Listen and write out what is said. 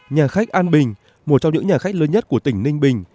nhà khách an bình một trong những nhà khách lớn nhất của tỉnh ninh bình